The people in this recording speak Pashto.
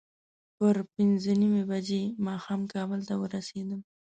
پر پینځه نیمې بجې ماښام کابل ته ورسېدم.